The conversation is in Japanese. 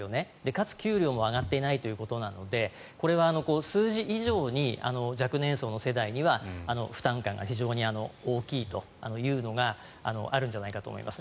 かつ給料も上がっていないということなのでこれは数字以上に若年層の世代には負担感が非常に大きいというのがあるんじゃないかと思います。